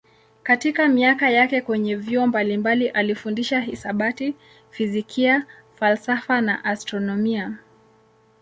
Katika miaka yake kwenye vyuo mbalimbali alifundisha hisabati, fizikia, falsafa na astronomia.